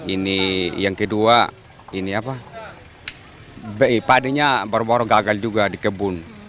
ini yang kedua ini apa padinya baru baru gagal juga di kebun